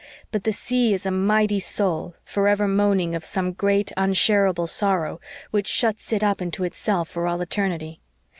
But the sea is a mighty soul, forever moaning of some great, unshareable sorrow, which shuts it up into itself for all eternity.